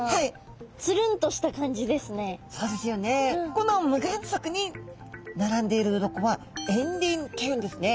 この無眼側に並んでいる鱗は円鱗っていうんですね。